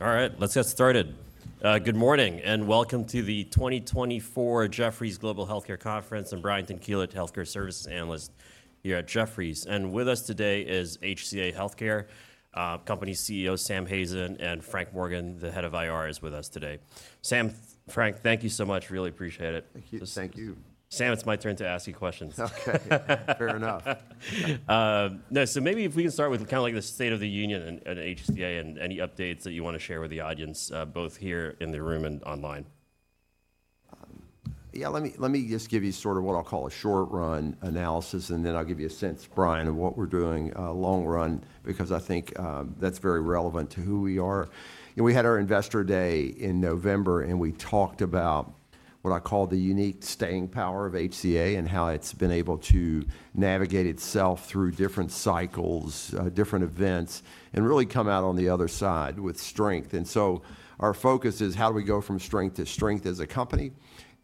All right, let's get started. Good morning, and Welcome to the 2024 Jefferies Global Healthcare Conference. I'm Brian Tanquilut, healthcare services analyst here at Jefferies, and with us today is HCA Healthcare company CEO, Sam Hazen, and Frank Morgan, the head of IR, is with us today. Sam, Frank, thank you so much. Really appreciate it. Thank you. Thank you. Sam, it's my turn to ask you questions. Okay, fair enough. Now, so maybe if we can start with kinda like the state of the union at HCA and any updates that you wanna share with the audience, both here in the room and online. Yeah, let me, let me just give you sort of what I'll call a short-run analysis, and then I'll give you a sense, Brian, of what we're doing, long run, because I think that's very relevant to who we are. You know, we had our Investor Day in November, and we talked about what I call the unique staying power of HCA and how it's been able to navigate itself through different cycles, different events, and really come out on the other side with strength. And so our focus is: How do we go from strength to strength as a company?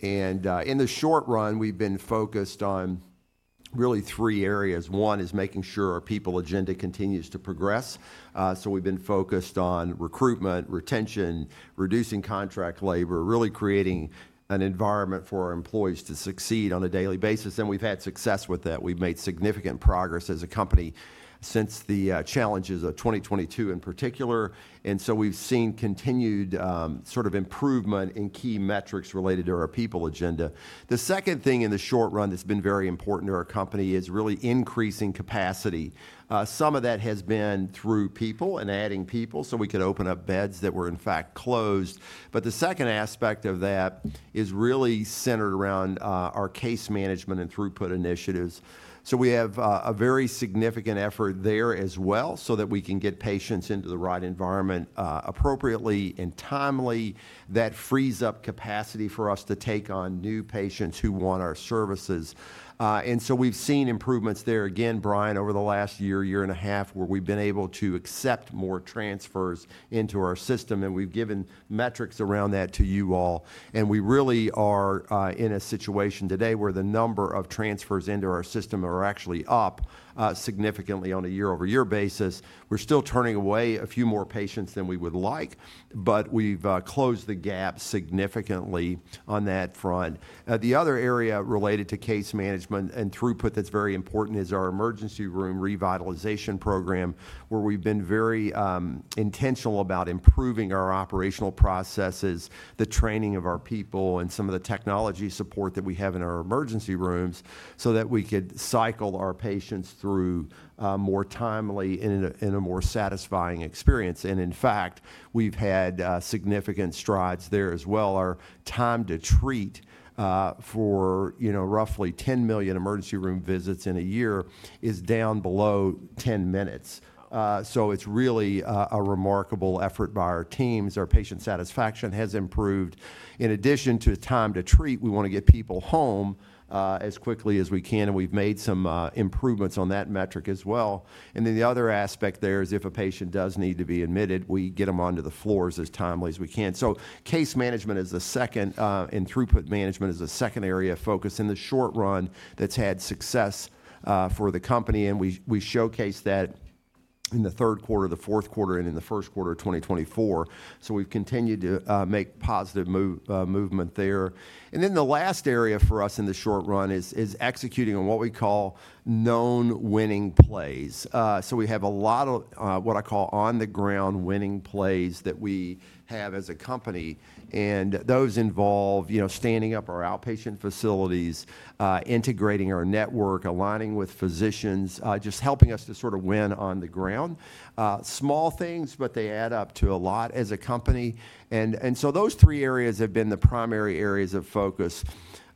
And in the short run, we've been focused on really three areas. One is making sure our people agenda continues to progress, so we've been focused on recruitment, retention, reducing contract labor, really creating an environment for our employees to succeed on a daily basis, and we've had success with that. We've made significant progress as a company since the challenges of 2022 in particular, and so we've seen continued, sort of improvement in key metrics related to our people agenda. The second thing in the short run that's been very important to our company is really increasing capacity. Some of that has been through people and adding people, so we could open up beds that were, in fact, closed. But the second aspect of that is really centered around our case management and throughput initiatives. So we have a very significant effort there as well so that we can get patients into the right environment, appropriately and timely. That frees up capacity for us to take on new patients who want our services. And so we've seen improvements there, again, Brian, over the last year, year and a half, where we've been able to accept more transfers into our system, and we've given metrics around that to you all. And we really are in a situation today where the number of transfers into our system are actually up, significantly on a year-over-year basis. We're still turning away a few more patients than we would like, but we've closed the gap significantly on that front. The other area related to case management and throughput that's very important is our emergency room revitalization program, where we've been very intentional about improving our operational processes, the training of our people, and some of the technology support that we have in our emergency rooms so that we could cycle our patients through more timely and in a more satisfying experience, and in fact, we've had significant strides there as well. Our time to treat for, you know, roughly 10 million emergency room visits in a year is down below 10 minutes. So it's really a remarkable effort by our teams. Our patient satisfaction has improved. In addition to time to treat, we wanna get people home as quickly as we can, and we've made some improvements on that metric as well. And then the other aspect there is, if a patient does need to be admitted, we get them onto the floors as timely as we can. So case management is the second, and throughput management is the second area of focus in the short run that's had success, for the company, and we showcased that in the third quarter, the fourth quarter, and in the first quarter of 2024. So we've continued to make positive movement there. And then the last area for us in the short run is executing on what we call known Winning Plays. So we have a lot of what I call on-the-ground Winning Plays that we have as a company, and those involve, you know, standing up our outpatient facilities, integrating our network, aligning with physicians, just helping us to sort of win on the ground. Small things, but they add up to a lot as a company. And so those three areas have been the primary areas of focus,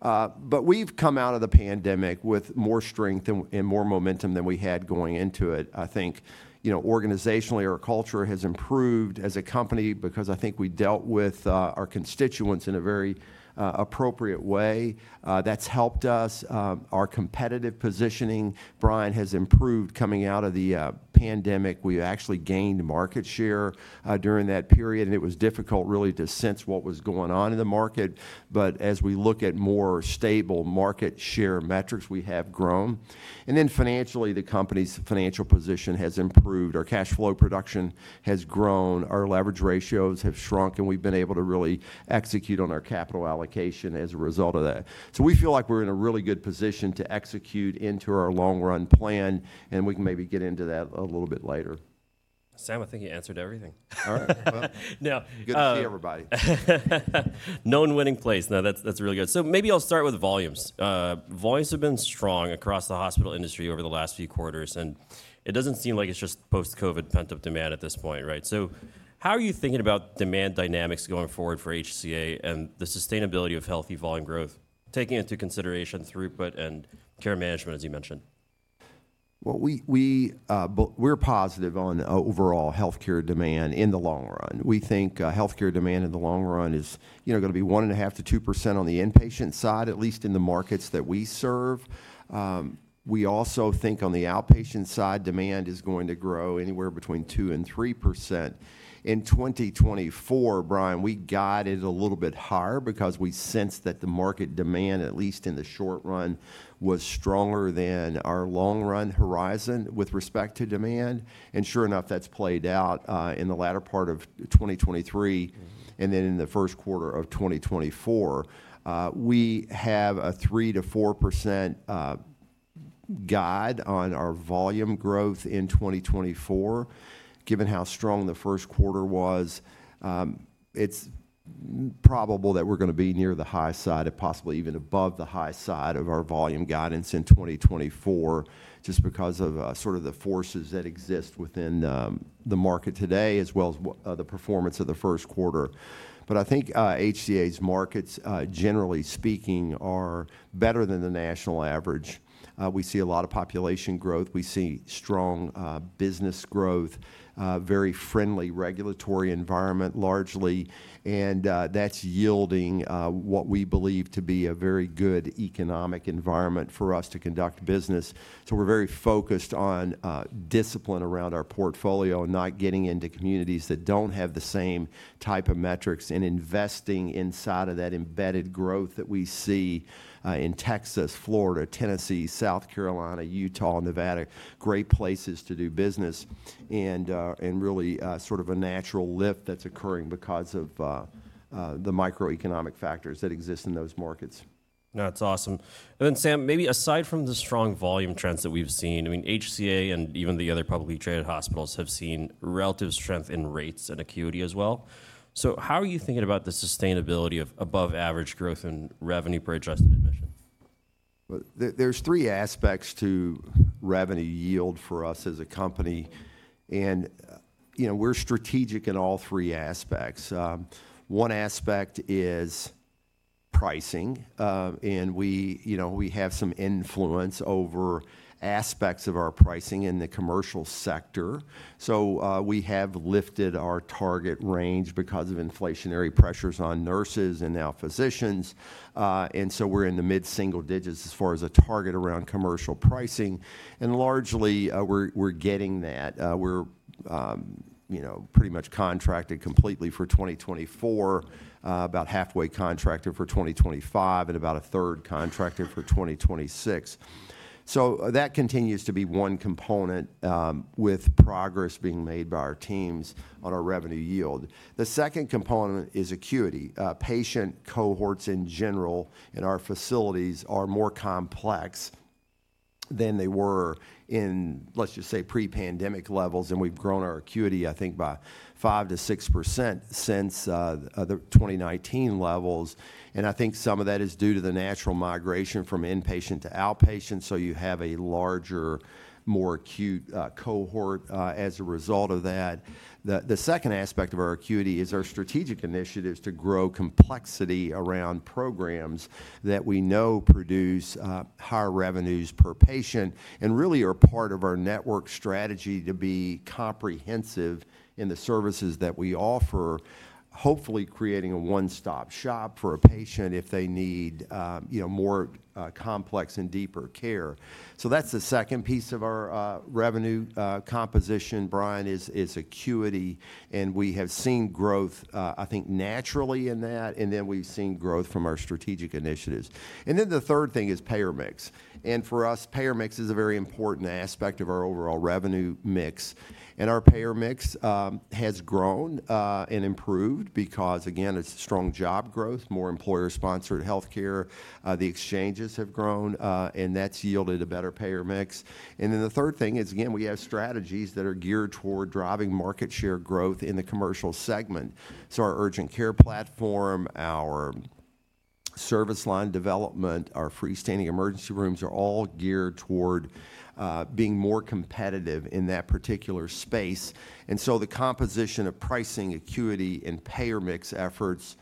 but we've come out of the pandemic with more strength and more momentum than we had going into it. I think, you know, organizationally, our culture has improved as a company because I think we dealt with our constituents in a very appropriate way. That's helped us. Our competitive positioning, Brian, has improved coming out of the pandemic. We actually gained market share, during that period, and it was difficult really to sense what was going on in the market. But as we look at more stable market share metrics, we have grown. And then financially, the company's financial position has improved. Our cash flow production has grown, our leverage ratios have shrunk, and we've been able to really execute on our capital allocation as a result of that. So we feel like we're in a really good position to execute into our long-run plan, and we can maybe get into that a little bit later. Sam, I think you answered everything. All right. Well- Uh- Good to see everybody. Known Winning Plays. No, that's, that's really good. So maybe I'll start with volumes. Volumes have been strong across the hospital industry over the last few quarters, and it doesn't seem like it's just post-COVID pent-up demand at this point, right? So how are you thinking about demand dynamics going forward for HCA and the sustainability of healthy volume growth, taking into consideration throughput and care management, as you mentioned? Well, we're positive on overall healthcare demand in the long run. We think healthcare demand in the long run is, you know, gonna be 1.5%-2% on the inpatient side, at least in the markets that we serve. We also think on the outpatient side, demand is going to grow anywhere between 2%-3%. In 2024, Brian, we guided a little bit higher because we sensed that the market demand, at least in the short run, was stronger than our long-run horizon with respect to demand, and sure enough, that's played out in the latter part of 2023, and then in the first quarter of 2024. We have a 3%-4%, guide on our volume growth in 2024, given how strong the first quarter was, it's probable that we're gonna be near the high side and possibly even above the high side of our volume guidance in 2024, just because of sort of the forces that exist within the market today, as well as the performance of the first quarter. But I think HCA's markets, generally speaking, are better than the national average. We see a lot of population growth. We see strong business growth, very friendly regulatory environment, largely, and that's yielding what we believe to be a very good economic environment for us to conduct business. So we're very focused on discipline around our portfolio and not getting into communities that don't have the same type of metrics, and investing inside of that embedded growth that we see in Texas, Florida, Tennessee, South Carolina, Utah, and Nevada. Great places to do business and really sort of a natural lift that's occurring because of the microeconomic factors that exist in those markets. No, that's awesome. And then, Sam, maybe aside from the strong volume trends that we've seen, I mean, HCA and even the other publicly traded hospitals have seen relative strength in rates and acuity as well. So how are you thinking about the sustainability of above-average growth in revenue per adjusted admission? Well, there's three aspects to revenue yield for us as a company, and, you know, we're strategic in all three aspects. One aspect is pricing, and we, you know, we have some influence over aspects of our pricing in the commercial sector. So, we have lifted our target range because of inflationary pressures on nurses and now physicians, and so we're in the mid-single digits as far as a target around commercial pricing. And largely, we're getting that. We're, you know, pretty much contracted completely for 2024, about halfway contracted for 2025, and about a third contracted for 2026. So, that continues to be one component, with progress being made by our teams on our revenue yield. The second component is acuity. Patient cohorts in general in our facilities are more complex than they were in, let's just say, pre-pandemic levels, and we've grown our acuity, I think, by 5%-6% since the 2019 levels. And I think some of that is due to the natural migration from inpatient to outpatient, so you have a larger, more acute cohort as a result of that. The second aspect of our acuity is our strategic initiatives to grow complexity around programs that we know produce higher revenues per patient and really are part of our network strategy to be comprehensive in the services that we offer, hopefully creating a one-stop shop for a patient if they need, you know, more complex and deeper care. So that's the second piece of our revenue composition, Brian, is acuity, and we have seen growth, I think, naturally in that, and then we've seen growth from our strategic initiatives. And then the third thing is payer mix, and for us, payer mix is a very important aspect of our overall revenue mix. And our payer mix has grown and improved because, again, it's strong job growth, more employer-sponsored healthcare, the exchanges have grown, and that's yielded a better payer mix. And then the third thing is, again, we have strategies that are geared toward driving market share growth in the commercial segment. So our urgent care platform, our service line development, our freestanding emergency rooms are all geared toward being more competitive in that particular space. The composition of pricing, acuity, and payer mix efforts,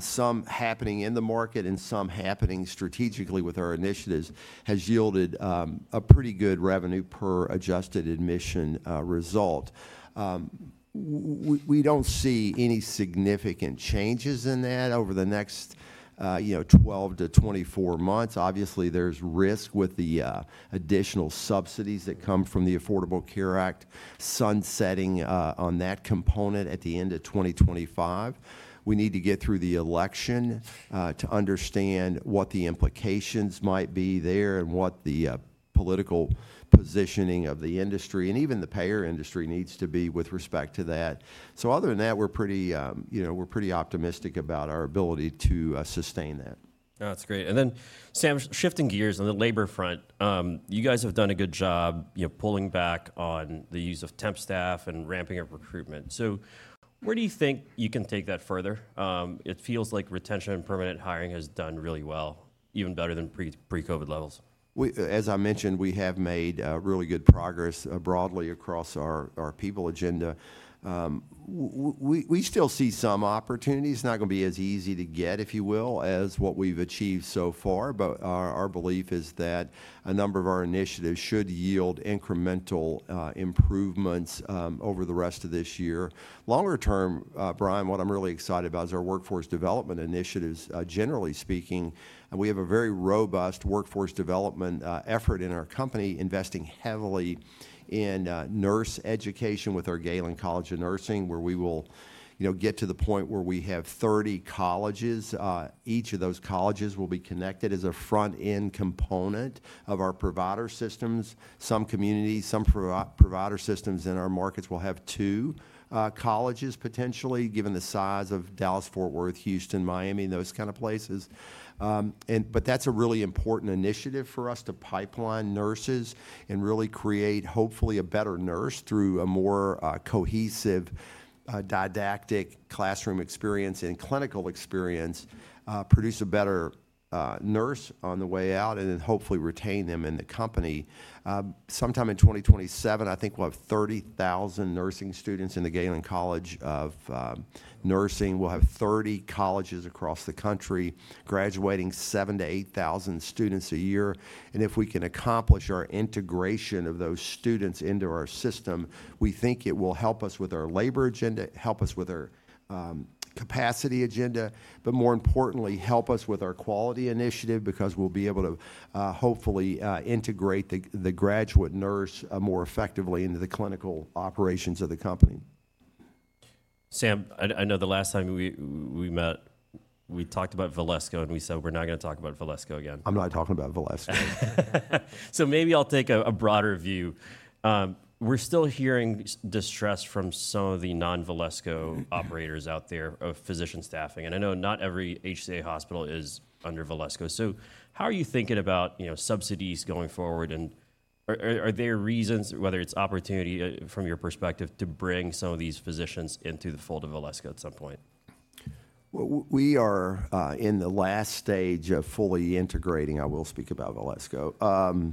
some happening in the market and some happening strategically with our initiatives, has yielded a pretty good revenue per adjusted admission result. We don't see any significant changes in that over the next, you know, 12-24 months. Obviously, there's risk with the additional subsidies that come from the Affordable Care Act sunsetting on that component at the end of 2025. We need to get through the election to understand what the implications might be there and what the political positioning of the industry, and even the payer industry, needs to be with respect to that. So other than that, we're pretty, you know, we're pretty optimistic about our ability to sustain that. No, that's great. And then, Sam, shifting gears on the labor front, you guys have done a good job, you know, pulling back on the use of temp staff and ramping up recruitment. So where do you think you can take that further? It feels like retention and permanent hiring has done really well, even better than pre-COVID levels. We, as I mentioned, we have made really good progress broadly across our people agenda. We still see some opportunities. It's not gonna be as easy to get, if you will, as what we've achieved so far, but our belief is that a number of our initiatives should yield incremental improvements over the rest of this year. Longer term, Brian, what I'm really excited about is our workforce development initiatives. Generally speaking, we have a very robust workforce development effort in our company, investing heavily in nurse education with our Galen College of Nursing, where we will, you know, get to the point where we have 30 colleges. Each of those colleges will be connected as a front-end component of our provider systems. Some communities, some provider systems in our markets will have two colleges, potentially, given the size of Dallas-Fort Worth, Houston, Miami, and those kind of places. But that's a really important initiative for us, to pipeline nurses and really create, hopefully, a better nurse through a more cohesive didactic classroom experience and clinical experience, produce a better nurse on the way out, and then hopefully retain them in the company. Sometime in 2027, I think we'll have 30,000 nursing students in the Galen College of Nursing. We'll have 30 colleges across the country, graduating 7,000-8,000 students a year, and if we can accomplish our integration of those students into our system, we think it will help us with our labor agenda, help us with our capacity agenda, but more importantly, help us with our quality initiative because we'll be able to hopefully integrate the graduate nurse more effectively into the clinical operations of the company. Sam, I know the last time we met, we talked about Valesco, and we said we're not gonna talk about Valesco again. I'm not talking about Valesco. So maybe I'll take a broader view. We're still hearing distress from some of the non-Valesco- Mm... operators out there of physician staffing, and I know not every HCA hospital is under Valesco. So how are you thinking about, you know, subsidies going forward, and are there reasons, whether it's opportunity, from your perspective, to bring some of these physicians into the fold of Valesco at some point? We are in the last stage of fully integrating. I will speak about Valesco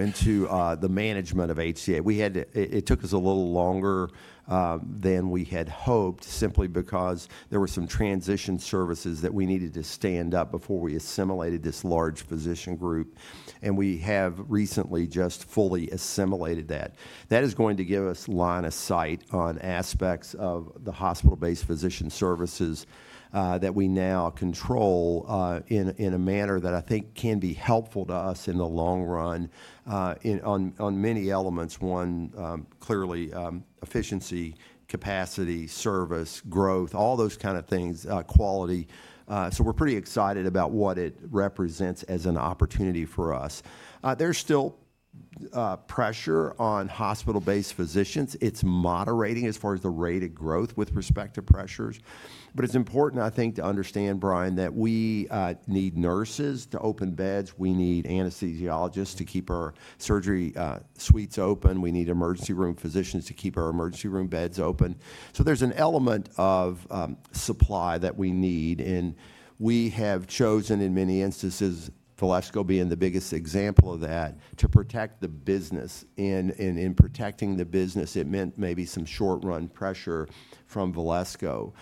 into the management of HCA. It took us a little longer than we had hoped, simply because there were some transition services that we needed to stand up before we assimilated this large physician group, and we have recently just fully assimilated that. That is going to give us line of sight on aspects of the hospital-based physician services that we now control in a manner that I think can be helpful to us in the long run, on many elements: one, clearly, efficiency, capacity, service, growth, all those kind of things, quality. So we're pretty excited about what it represents as an opportunity for us. There's still pressure on hospital-based physicians. It's moderating as far as the rate of growth with respect to pressures, but it's important, I think, to understand, Brian, that we need nurses to open beds. We need anesthesiologists to keep our surgery suites open. We need emergency room physicians to keep our emergency room beds open. So there's an element of supply that we need, and we have chosen, in many instances, Valesco being the biggest example of that, to protect the business, and in protecting the business, it meant maybe some short-run pressure from Valesco.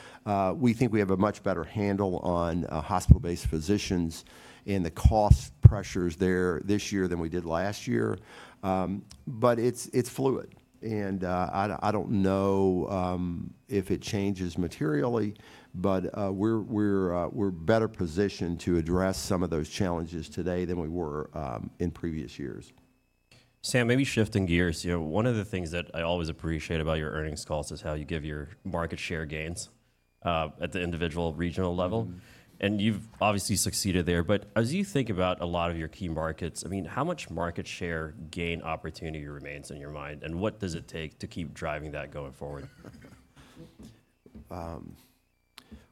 We think we have a much better handle on hospital-based physicians and the cost pressures there this year than we did last year. But it's fluid, and I don't know if it changes materially, but we're better positioned to address some of those challenges today than we were in previous years. Sam, maybe shifting gears, you know, one of the things that I always appreciate about your earnings calls is how you give your market share gains at the individual regional level- Mm-hmm. - and you've obviously succeeded there. But as you think about a lot of your key markets, I mean, how much market share gain opportunity remains on your mind, and what does it take to keep driving that going forward?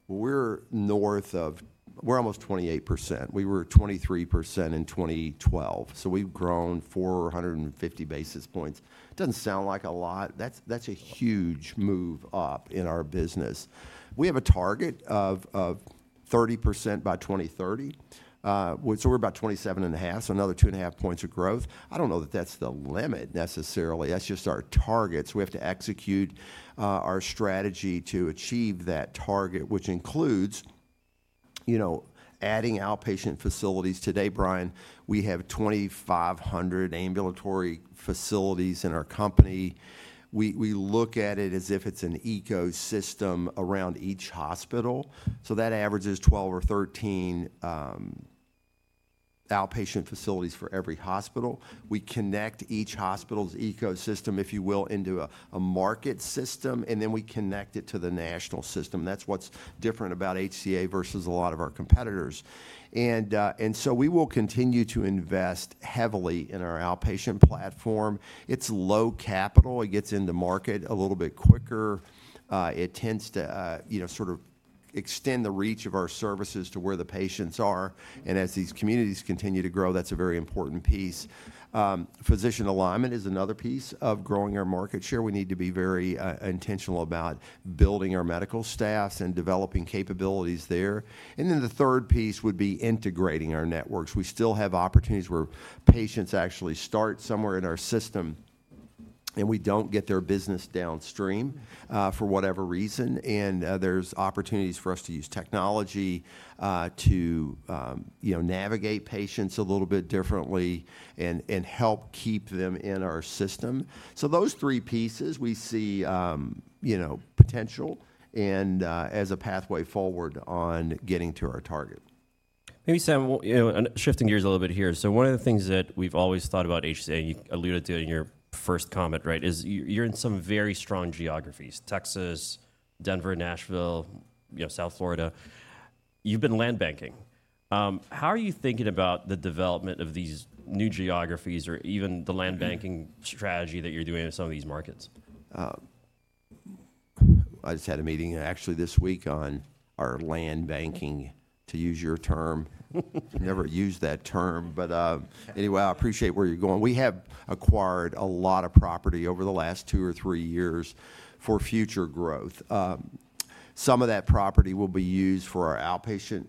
We're north of... We're almost 28%. We were 23% in 2012, so we've grown 450 basis points. Doesn't sound like a lot. That's, that's a huge move up in our business. We have a target of, of 30% by 2030. So we're about 27.5, so another 2.5 points of growth. I don't know that that's the limit necessarily. That's just our targets. We have to execute, our strategy to achieve that target, which includes, you know, adding outpatient facilities. Today, Brian, we have 2,500 ambulatory facilities in our company. We, we look at it as if it's an ecosystem around each hospital, so that averages 12 or 13, outpatient facilities for every hospital. We connect each hospital's ecosystem, if you will, into a market system, and then we connect it to the national system. That's what's different about HCA versus a lot of our competitors. And so we will continue to invest heavily in our outpatient platform. It's low capital. It gets in the market a little bit quicker. It tends to, you know, sort of extend the reach of our services to where the patients are, and as these communities continue to grow, that's a very important piece. Physician alignment is another piece of growing our market share. We need to be very intentional about building our medical staffs and developing capabilities there. And then the third piece would be integrating our networks. We still have opportunities where patients actually start somewhere in our system, and we don't get their business downstream, for whatever reason, and there's opportunities for us to use technology to you know navigate patients a little bit differently and help keep them in our system. So those three pieces, we see you know potential and as a pathway forward on getting to our target. Maybe, Sam, you know, and shifting gears a little bit here, so one of the things that we've always thought about HCA, you alluded to it in your first comment, right, is you're, you're in some very strong geographies: Texas, Denver, Nashville, you know, South Florida. You've been land banking. How are you thinking about the development of these new geographies or even the land banking strategy that you're doing in some of these markets?... I just had a meeting actually this week on our land banking, to use your term. I've never used that term, but, anyway, I appreciate where you're going. We have acquired a lot of property over the last 2 or 3 years for future growth. Some of that property will be used for our outpatient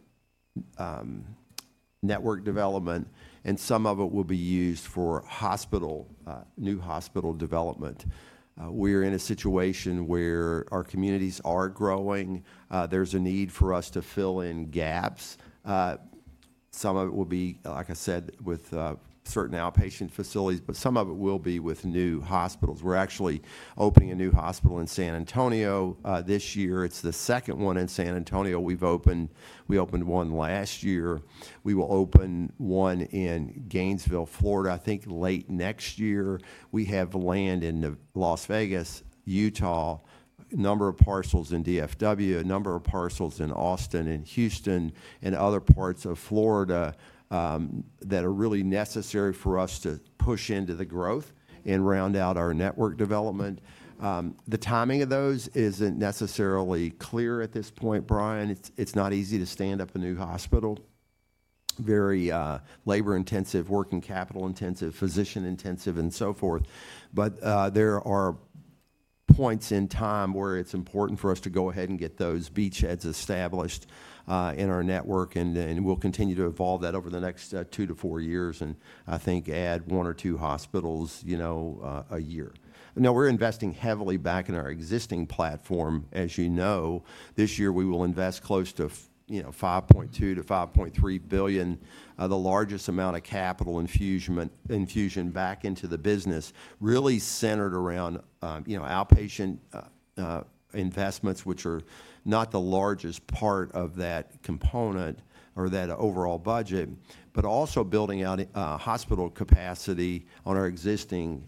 network development, and some of it will be used for hospital new hospital development. We're in a situation where our communities are growing. There's a need for us to fill in gaps. Some of it will be, like I said, with certain outpatient facilities, but some of it will be with new hospitals. We're actually opening a new hospital in San Antonio this year. It's the second one in San Antonio we've opened. We opened one last year. We will open 1 in Gainesville, Florida, I think late next year. We have land in the Las Vegas, Utah, a number of parcels in DFW, a number of parcels in Austin and Houston and other parts of Florida, that are really necessary for us to push into the growth and round out our network development. The timing of those isn't necessarily clear at this point, Brian. It's, it's not easy to stand up a new hospital, very, labor-intensive, working capital-intensive, physician-intensive, and so forth. But, there are points in time where it's important for us to go ahead and get those beachheads established, in our network, and, and we'll continue to evolve that over the next, 2-4 years and I think add 1 or 2 hospitals, you know, a year. Now, we're investing heavily back in our existing platform, as you know. This year we will invest close to, you know, $5.2-$5.3 billion, the largest amount of capital infusion back into the business, really centered around, you know, outpatient investments, which are not the largest part of that component or that overall budget, but also building out hospital capacity on our existing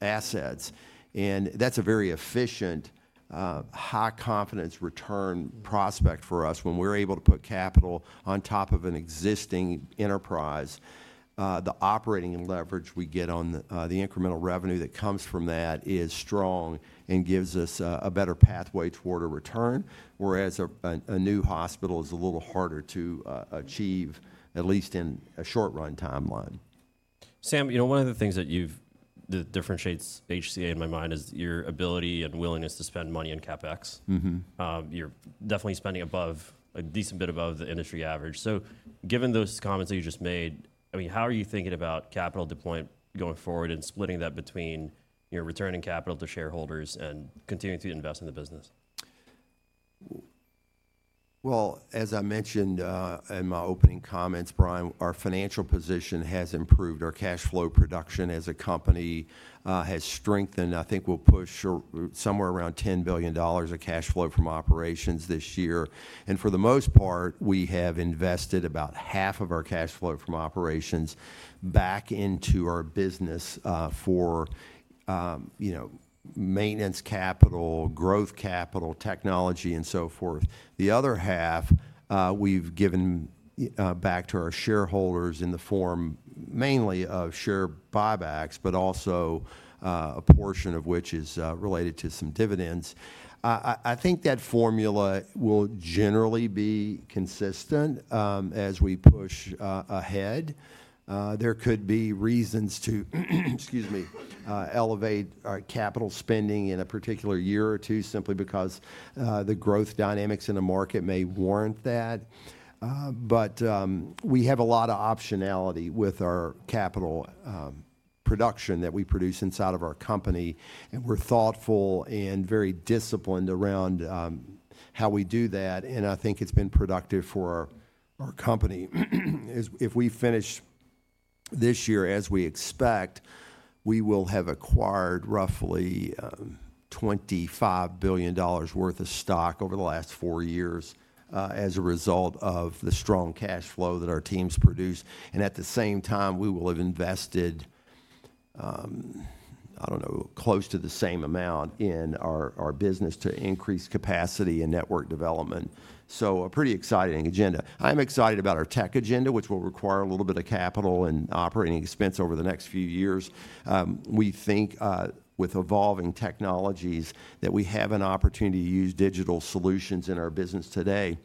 assets. And that's a very efficient high-confidence return prospect for us. When we're able to put capital on top of an existing enterprise, the operating leverage we get on the incremental revenue that comes from that is strong and gives us a better pathway toward a return, whereas a new hospital is a little harder to achieve, at least in a short-run timeline. Sam, you know, one of the things that differentiates HCA in my mind is your ability and willingness to spend money on CapEx. Mm-hmm. You're definitely spending above a decent bit above the industry average. So given those comments that you just made, I mean, how are you thinking about capital deployment going forward and splitting that between, you know, returning capital to shareholders and continuing to invest in the business? Well, as I mentioned, in my opening comments, Brian, our financial position has improved. Our cash flow production as a company, has strengthened. I think we'll push or somewhere around $10 billion of cash flow from operations this year, and for the most part, we have invested about half of our cash flow from operations back into our business, for, you know, maintenance capital, growth capital, technology, and so forth. The other half, we've given, back to our shareholders in the form mainly of share buybacks, but also, a portion of which is, related to some dividends. I, I think that formula will generally be consistent, as we push, ahead. There could be reasons to, excuse me, elevate our capital spending in a particular year or 2 simply because the growth dynamics in the market may warrant that. But we have a lot of optionality with our capital production that we produce inside of our company, and we're thoughtful and very disciplined around how we do that, and I think it's been productive for our company. If we finish this year as we expect, we will have acquired roughly $25 billion worth of stock over the last 4 years as a result of the strong cash flow that our teams produce, and at the same time, we will have invested, I don't know, close to the same amount in our business to increase capacity and network development. So a pretty exciting agenda. I'm excited about our tech agenda, which will require a little bit of capital and operating expense over the next few years. We think, with evolving technologies, that we have an opportunity to use digital solutions in our business today,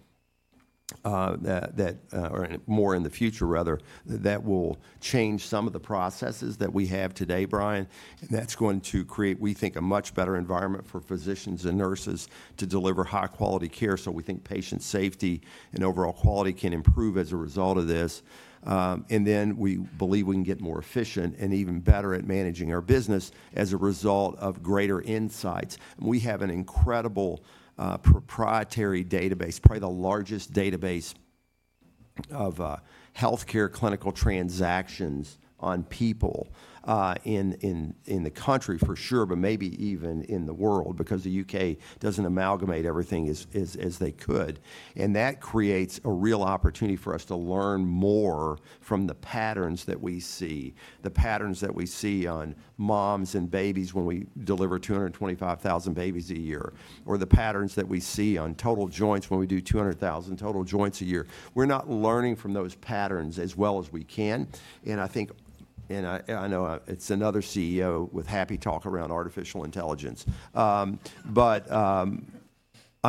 or more in the future, rather, that will change some of the processes that we have today, Brian, and that's going to create, we think, a much better environment for physicians and nurses to deliver high-quality care. So we think patient safety and overall quality can improve as a result of this. And then we believe we can get more efficient and even better at managing our business as a result of greater insights. We have an incredible proprietary database, probably the largest database of healthcare clinical transactions on people in the country for sure, but maybe even in the world, because the U.K. doesn't amalgamate everything as they could. That creates a real opportunity for us to learn more from the patterns that we see, the patterns that we see on moms and babies when we deliver 225,000 babies a year, or the patterns that we see on total joints when we do 200,000 total joints a year. We're not learning from those patterns as well as we can, and I think and I know it's another CEO with happy talk around artificial intelligence. But I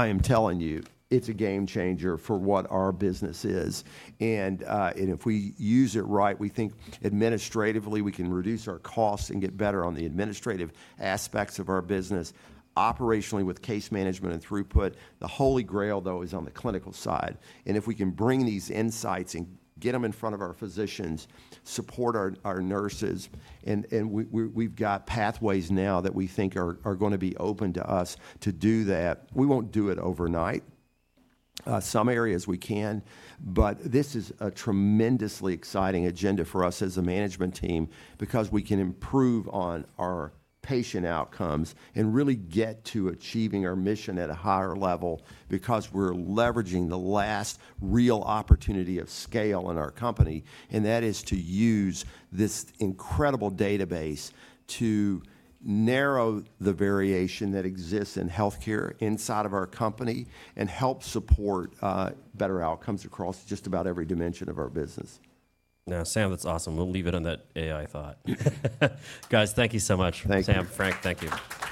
am telling you, it's a game changer for what our business is. If we use it right, we think administratively we can reduce our costs and get better on the administrative aspects of our business, operationally with case management and throughput. The Holy Grail, though, is on the clinical side, and if we can bring these insights and get them in front of our physicians, support our nurses, and we've got pathways now that we think are gonna be open to us to do that. We won't do it overnight. Some areas we can, but this is a tremendously exciting agenda for us as a management team because we can improve on our patient outcomes and really get to achieving our mission at a higher level because we're leveraging the last real opportunity of scale in our company, and that is to use this incredible database to narrow the variation that exists in healthcare inside of our company and help support better outcomes across just about every dimension of our business. Now, Sam, that's awesome. We'll leave it on that AI thought. Guys, thank you so much. Thank you. Sam, Frank, thank you.